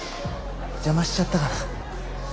邪魔しちゃったかな。